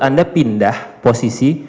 anda pindah posisi